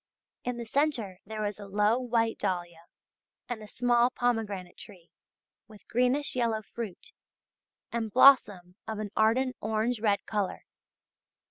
In the centre there is a low white dahlia and a small pomegranate tree with greenish yellow fruit, and blossom of an ardent orange red colour.